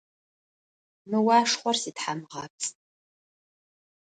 Mı vuaşşxhor sithamığeps.